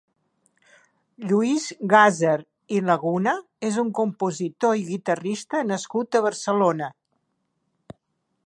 Lluís Gàsser i Laguna és un compositor i guitarrista nascut a Barcelona.